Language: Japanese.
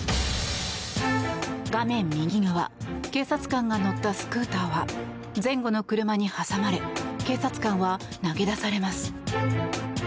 画面右側警察官が乗ったスクーターは前後の車に挟まれ警察官は投げ出されます。